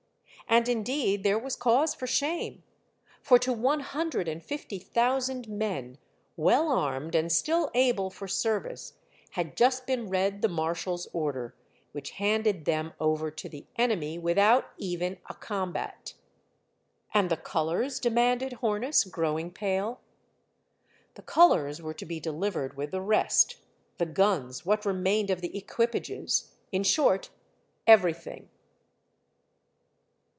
And indeed there was cause for shame, for to one hun dred and fifty thousand men, well armed and still able for service, had just been read the marshal's order, which handed them over to the enemy, without even a combat. *' And the colors?" demanded Hornus, growing pale. The colors were to be delivered with the rest, the guns, what remained of the equipages, — in short, everything.